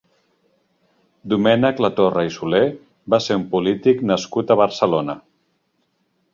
Domènec Latorre i Soler va ser un polític nascut a Barcelona.